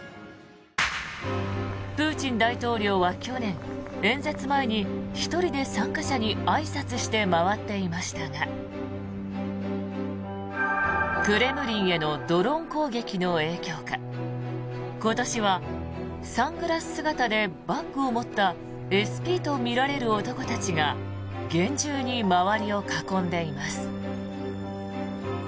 プーチン大統領は去年演説前に１人で参加者にあいさつして回っていましたがクレムリンへのドローン攻撃の影響か今年はサングラス姿でバッグを持ったＳＰとみられる男たちが厳重に周りを囲んでいます。